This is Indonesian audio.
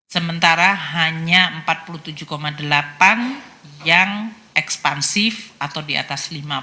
sementara hanya empat puluh tujuh delapan yang ekspansif atau di atas lima puluh